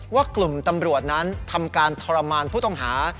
ว่ากลุ่มตำรวจนั้นทำการทรมานผู้ต้องหา